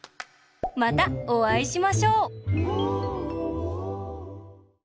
またおあいしましょう！